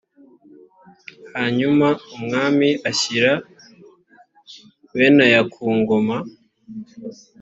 hanyuma umwami ashyira benaya ku ngoma